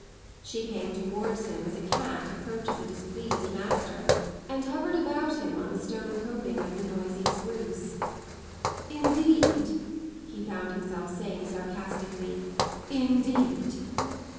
She came towards him as a cat approaches a displeased master, and hovered about him on the stone coping of the noisy sluice. " Indeed! " he found himself saying sarcastically. " Indeed!